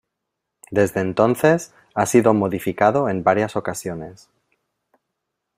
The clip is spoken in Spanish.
Desde entonces, ha sido modificado en varias ocasiones.